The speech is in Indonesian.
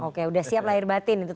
oke udah siap lahir batin gitu